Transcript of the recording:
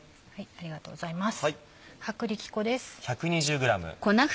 ありがとうございます